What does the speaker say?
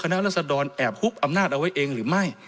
นักรัศดรแอบฮุกอำนาจเอาไว้เองหรือไม่